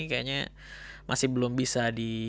kayaknya masih belum bisa